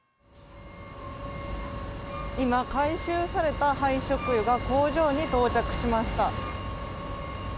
今、回収された廃食油が工場に到着しました。